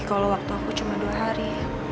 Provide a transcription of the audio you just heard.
kalau waktu aku cuma dua hari